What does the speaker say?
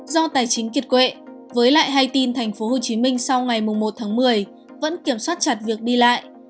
do tài chính kiệt quệ với lại hay tin thành phố hồ chí minh sau ngày một một mươi vẫn kiểm soát chặt việc đi lại